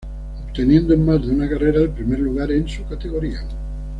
Obteniendo en más de una carrera el primer lugar en su categoría.